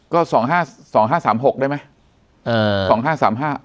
ก็๒๕๓๖ได้ไหม